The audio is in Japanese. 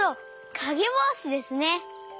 かげぼうしですね。